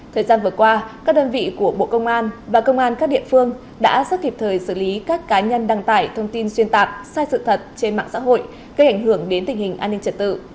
thời gian vừa qua các đơn vị của bộ công an và công an các địa phương đã sắp kịp thời xử lý các cá nhân đăng tải thông tin xuyên tạc sai sự thật trên mạng xã hội gây ảnh hưởng đến tình hình an ninh trật tự